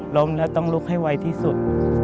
ล้มแล้วต้องลุกให้ไวที่สุด